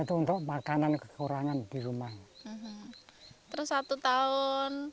jika tidak petani terpaksa diberi kekuatan